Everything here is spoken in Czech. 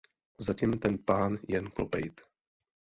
Zatim ten pán jen klopejt.